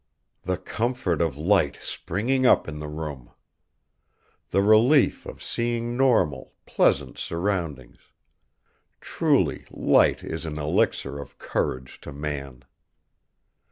The comfort of light springing up in the room! The relief of seeing normal, pleasant surroundings! Truly light is an elixir of courage to man.